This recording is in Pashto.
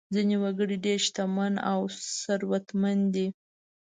ځینې وګړي ډېر شتمن او ثروتمند دي.